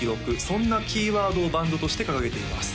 そんなキーワードをバンドとして掲げています